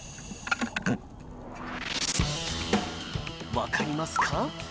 わかりますか？